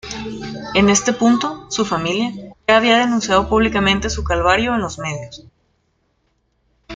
En este punto, su familia, ya había denunciado públicamente su calvario en los medios.